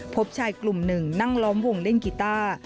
พบชายกลุ่มหนึ่งนั่งล้อมวงเล่นกีต้า